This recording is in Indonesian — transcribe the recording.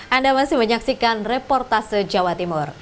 anda masih menyaksikan reportase jawa timur